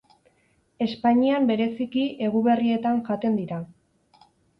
Espainian bereziki Eguberrietan jaten dira.